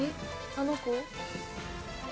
あの子を？